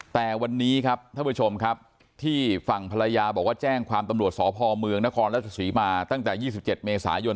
แต่วันนี้ครับท่านผู้ชมครับที่ฝั่งภรรยาบอกว่าแจ้งความตำรวจสพเมืองนครราชศรีมาตั้งแต่๒๗เมษายน